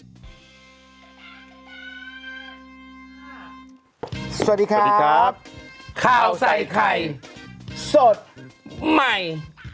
สวัสดีครับข้าวใส่ไข่สดใหม่